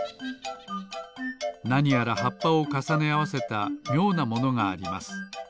なにやらはっぱをかさねあわせたみょうなものがあります。